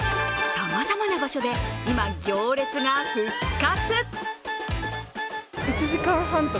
さまざまな場所で今、行列が復活。